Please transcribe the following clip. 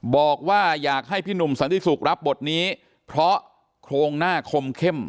บอกว่าอยากให้พี่หนุ่มสันติสุขรับบทนี้เพราะโครงหน้าคมเข้ม